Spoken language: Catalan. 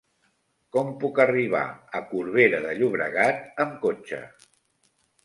Com puc arribar a Corbera de Llobregat amb cotxe?